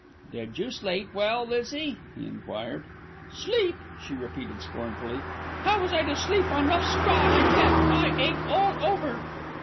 "Did you sleep well, Lizzie?" he enquired. "Sleep!" she repeated scornfully. "How was I to sleep on rough straw like that. I ache all over."